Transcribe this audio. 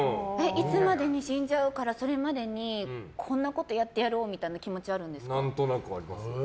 いつまでに死んじゃうからそれまでにこんなことやってやろうみたいな気持ち、あるんですか？